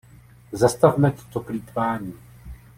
Zastavme toto plýtvání!